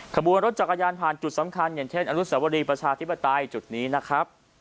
ขบวนรถจักรยานผ่านจุดสำคัญอย่างเช่นอนุสวรีประชาธิปไตยจุดนี้นะครับ